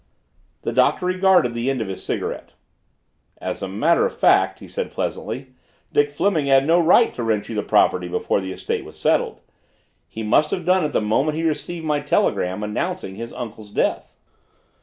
The Doctor regarded the end of his cigarette. "As a matter of fact," he said pleasantly, "Dick Fleming had no right to rent you the property before the estate was settled. He must have done it the moment he received my telegram announcing his uncle's death."